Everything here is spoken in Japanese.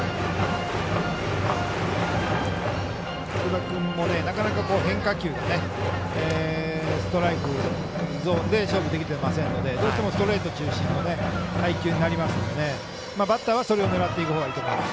徳田君もなかなか変化球がストライクゾーンで勝負できていませんのでどうしてもストレート中心の配球になりますのでバッターはそれを狙っていくほうがいいと思います。